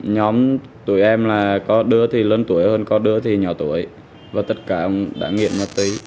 nhóm tụ em là có đưa thì lớn tuổi hơn có đứa thì nhỏ tuổi và tất cả ông đã nghiện ma túy